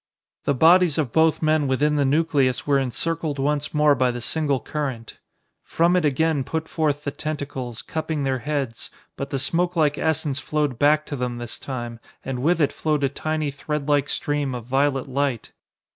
The bodies of both men within the nucleus were encircled once more by the single current. From it again put forth the tentacles, cupping their heads, but the smokelike essence flowed back to them this time, and with it flowed a tiny threadlike stream of violet light.